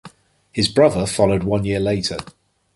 His brother followed one year later.